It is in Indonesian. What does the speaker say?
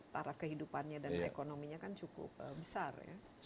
tara kehidupannya dan ekonominya kan cukup besar